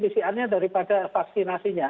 visiannya daripada vaksinasinya